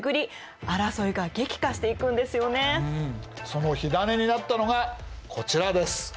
その火種になったのがこちらです。